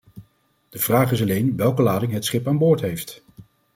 De vraag is alleen welke lading het schip aan boord heeft?